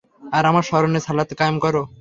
আর আমার স্মরণে সালাত কায়েম কর।